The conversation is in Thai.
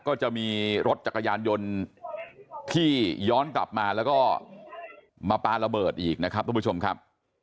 ก็จะมีรถจักรยานยนต์ที่ย้อนกลับมาแล้วก็มาปลาระเบิดอีกนะครับทุกผู้ชมครับ